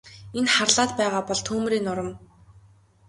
Энэ харлаад байгаа бол түймрийн нурам.